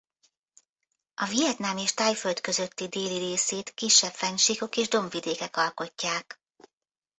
A Vietnám és Thaiföld közötti déli részét kisebb fennsíkok és dombvidékek alkotják.